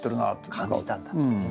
感じたんだという。